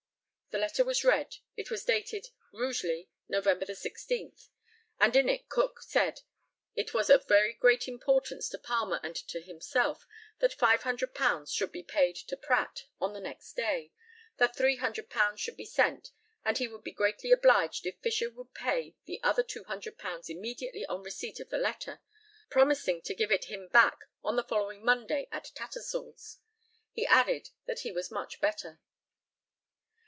[The letter was read. It was dated, "Rugeley, Nov. the 16th," and in it Cook said it was of very great importance to Palmer and to himself that £500 should be paid to Pratt on the next day, that £300 should be sent, and he would be greatly obliged if Fisher would pay the other £200 immediately on receipt of the letter, promising to give it him back on the following Monday at Tattersall's. He added that he was much better.